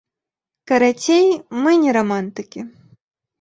Карацей, мы не рамантыкі.